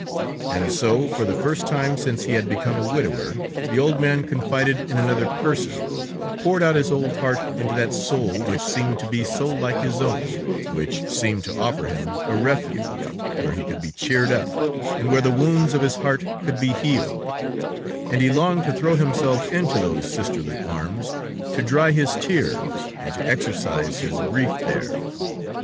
And so, for the first time since he had become a widower, the old man confided in another person, poured out his old heart into that soul which seemed to be so like his own, which seemed to offer him a refuge where he could be cheered up, and where the wounds of his heart could be healed, and he longed to throw himself into those sisterly arms, to dry his tears and to exercise his grief there.